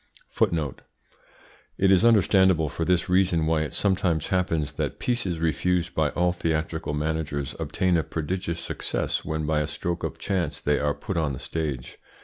It is understandable for this reason why it sometimes happens that pieces refused by all theatrical managers obtain a prodigious success when by a stroke of chance they are put on the stage.